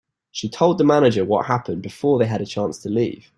She told the manager what happened before they had a chance to leave.